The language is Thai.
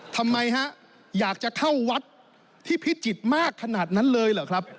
ทำไมฮะอยากจะเข้าวัดที่พิจิตรมากขนาดนั้นเลยเหรอครับ